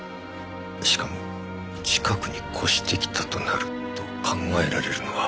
しかも近くに越してきたとなると考えられるのは。